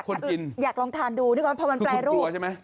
คืออยากลองทานดูนี่ก่อนเพราะมันแปลรูปคือคุณกลัวใช่ไหม